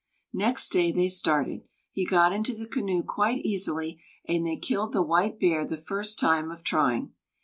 Next day they started; he got into the canoe quite easily, and they killed the white bear the first time of trying.